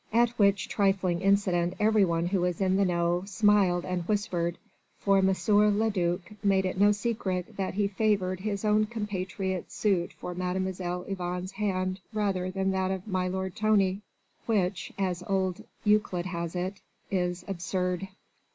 At which trifling incident every one who was in the know smiled and whispered, for M. le duc made it no secret that he favoured his own compatriot's suit for Mademoiselle Yvonne's hand rather than that of my lord Tony which as old Euclid has it is absurd.